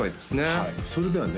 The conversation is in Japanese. はいそれではね